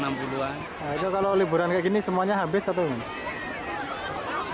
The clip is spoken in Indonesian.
nah itu kalau liburan kayak gini semuanya habis atau enggak